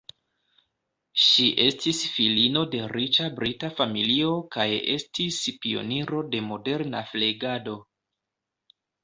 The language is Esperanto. Ŝi estis filino de riĉa brita familio kaj estis pioniro de moderna flegado.